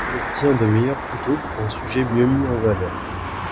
Elle obtient de meilleures photos pour un sujet mieux mis en valeur.